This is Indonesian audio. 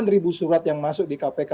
delapan ribu surat yang masuk di kpk